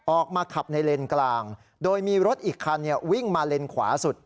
ออกมาขับในเลนกลางโดยมีรถอีกคันวิ่งมาเลนขวาสุด